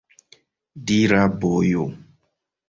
Dira bojo!